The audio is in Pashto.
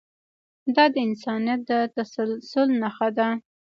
دا د انسانیت د تسلسل نښه ده.